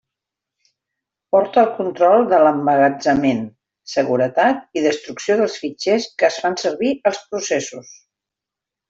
Porta el control de l'emmagatzemament, seguretat i destrucció dels fitxers que es fan servir als processos.